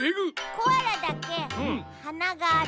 コアラだけはながある。